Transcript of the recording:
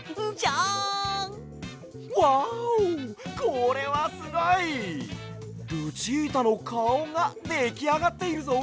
これはすごい！ルチータのかおができあがっているぞ！